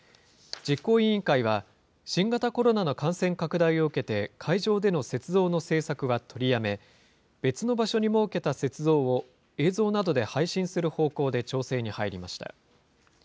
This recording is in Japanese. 実行委員会は、新型コロナの感染拡大を受けて、会場での雪像の制作は取りやめ、別の場所に設けた雪像を、映像などで配信する方向で調整に入りました。